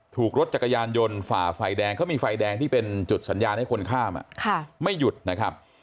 ถูกรถจักรยานยนต์ฝ่าไฟแดงเขามีไฟแดงที่เป็นจุดสัญญาณให้คนข้ามไม่หยุดนะครับ